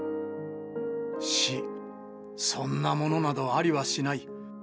死、そんなものなどありはしない。